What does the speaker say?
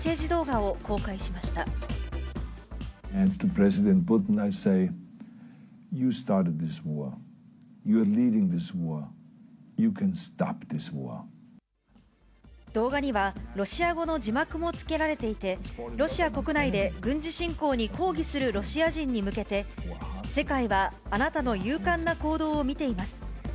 動画には、ロシア語の字幕もつけられていて、ロシア国内で軍事侵攻に抗議するロシア人に向けて、世界はあなたの勇敢な行動を見ています。